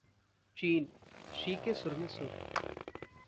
चीनः Xi के सुर में सुर